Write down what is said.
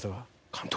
「監督！」